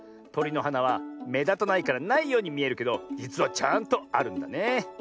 とりのはなはめだたないからないようにみえるけどじつはちゃんとあるんだねえ。